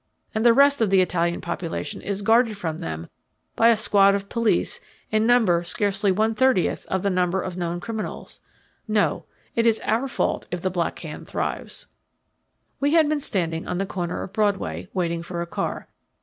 And the rest of the Italian population is guarded from them by a squad of police in number scarcely one thirtieth of the number of known criminals. No, it's our fault if the Black Hand thrives." We had been standing on the corner of Broadway, waiting for a car.